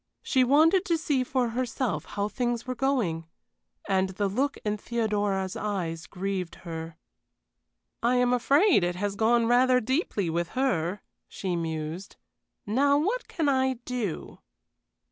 She wanted to see for herself how things were going. And the look in Theodora's eyes grieved her. "I am afraid it has gone rather deeply with her," she mused. "Now what can I do?"